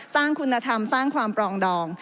สร้างคุณธรรมสร้างความปรองดอง